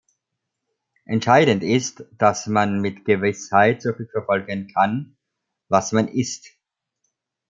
Entscheidend ist, dass man mit Gewissheit zurückverfolgen kann, was man ißt.